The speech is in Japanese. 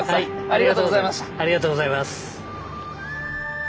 ありがとうございます。